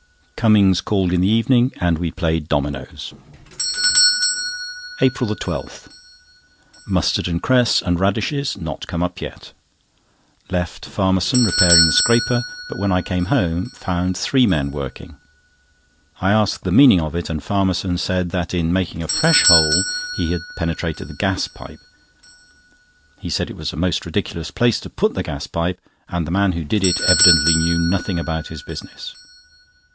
Cummings called in the evening, and we played dominoes. APRIL 12.—Mustard and cress and radishes not come up yet. Left Farmerson repairing the scraper, but when I came home found three men working. I asked the meaning of it, and Farmerson said that in making a fresh hole he had penetrated the gas pipe. He said it was a most ridiculous place to put the gas pipe, and the man who did it evidently knew nothing about his business.